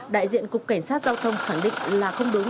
đại diện cục cảnh sát giao thông khẳng định là không đúng